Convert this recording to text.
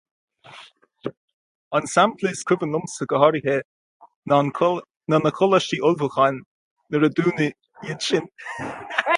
An sampla is cuimhin liomsa go háirithe ná na coláistí ullmhúcháin, nuair a dúnadh iad sin.